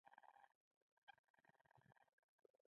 پانګه د انحصار ځواک ورکوي.